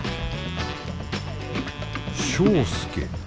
庄助。